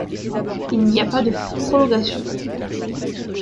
Il n'y a pas de prolongations.